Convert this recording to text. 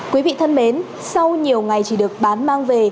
quý vị thân mến sau nhiều ngày chỉ được bán mang về